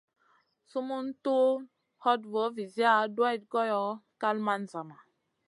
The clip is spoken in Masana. Sumun tun hoɗ voo viziya duwayd goyo, kal man zama.